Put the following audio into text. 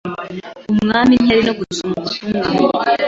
Umwami ntiyari no gusoma ubutumwa.